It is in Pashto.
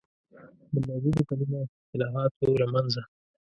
د موجودو کلمو او اصطلاحاتو له منځه.